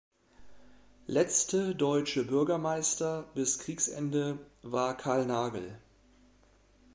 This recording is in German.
Letzte deutsche Bürgermeister bis Kriegsende war Karl Nagel.